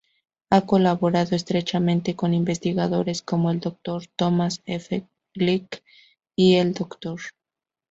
Ha colaborado estrechamente con investigadores como el Dr. Thomas F. Glick y el Dr.